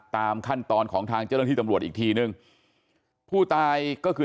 ตามขั้นตอนของทางเจ้าหน้าที่ตำรวจอีกทีนึงผู้ตายก็คือ